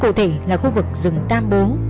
cụ thể là khu vực rừng tam bố